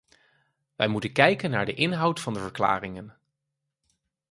Wij moeten kijken naar de inhoud van de verklaringen.